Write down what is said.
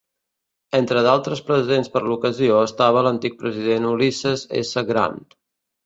Entre d'altres presents per l'ocasió estava l'antic President Ulysses S. Grant.